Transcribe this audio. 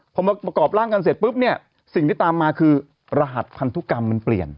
พอมาประกอบร่างกันเสร็จปุ๊บเนี่ยสิ่งที่ตามมาคือรหัสพันธุกรรมมันเปลี่ยน